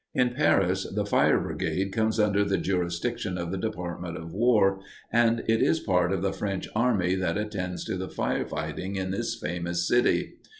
In Paris, the fire brigade comes under the jurisdiction of the Department of War, and it is part of the French army that attends to the fire fighting in this famous city.